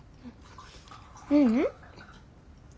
ううん。